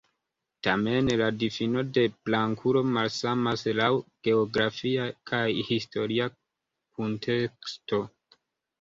Tamen, la difino de "blankulo" malsamas laŭ geografia kaj historia kunteksto.